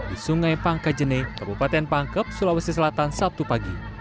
di sungai pangkajene kabupaten pangkep sulawesi selatan sabtu pagi